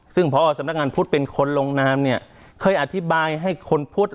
ซึ่งพอสำนักงานพุทธเป็นคนลงนามเนี่ยเคยอธิบายให้คนพุทธ